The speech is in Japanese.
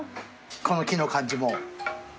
この木の感じも。